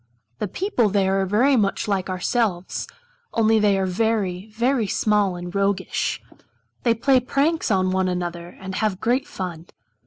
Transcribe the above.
The people there are much like ourselves, only they are very, very small and roguish. They play pranks on one another and have great fun.